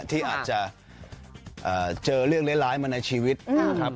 ที่อาจจะเจอเรื่องร้ายมาในชีวิตนะครับ